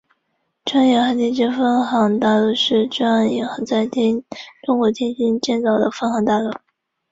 国会议员通常在每年二月份会期到圣基道霍主教座堂或圣保罗堂进行年初祈祷。